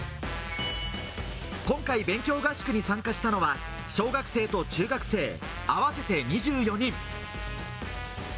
今回、勉強合宿に参加したのは、小学生と中学生、合わせて２４人。